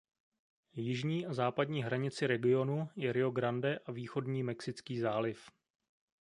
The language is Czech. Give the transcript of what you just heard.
Jižní a západní hranici regionu je Rio Grande a východní Mexický záliv.